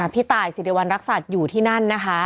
พี่ตายสิริวัณรักษัตริย์อยู่ที่นั่นนะคะ